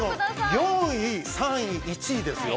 ４位、３位、１位ですよ。